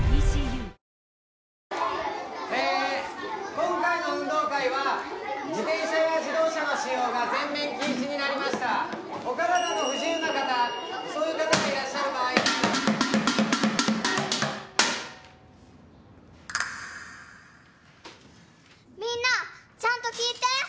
今回の運動会は自転車や自動車の使用が全面禁止になりましたお体の不自由な方そういう方がいらっしゃる場合はみんなちゃんと聞いて！